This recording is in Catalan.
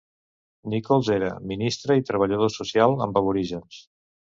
Nicholls era ministre i treballador social amb aborígens.